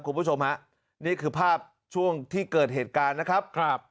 คุณผู้ชมฮะนี่คือภาพช่วงที่เกิดเหตุการณ์นะครับครับ